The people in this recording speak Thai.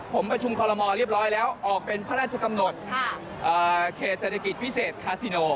ผมประชุมคอลโลมอลเรียบร้อยแล้วออกเป็นพระราชกำหนดเขตเศรษฐกิจพิเศษคาซิโน